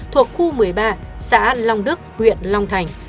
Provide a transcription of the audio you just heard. thuộc khu một mươi ba xã long đức huyện long thành